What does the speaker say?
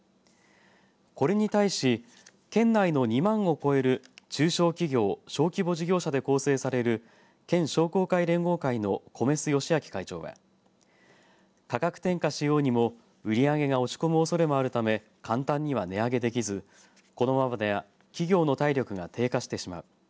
これに対し県内の２万を超える中小企業小規模事業者で構成される県商工会連合会の米須義明会長は価格転嫁しようにも、売り上げが落ち込むおそれもあるため簡単には値上げできずこのままでは企業の体力が低下してしまう。